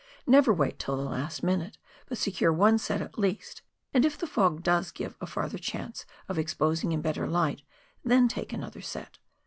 Never wait till the last minute, but secure one set at least, and if the fog does give a further chance of exposing in better light, then take another set.